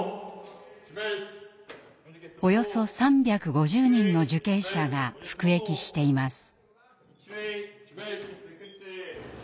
およそ３５０人の受刑者が服役しています。